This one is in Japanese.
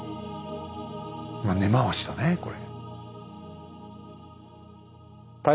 根回しだねこれ。